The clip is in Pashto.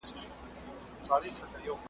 له آمو تر ګل سرخه هر لوېشت مي شالمار کې .